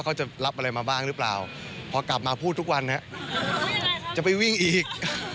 เขาจะรับอะไรมาบ้างหรือเปล่าพอกลับมาพูดทุกวันจะไปวิ่งอีก